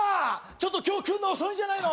ちょっと今日来んの遅いんじゃないの？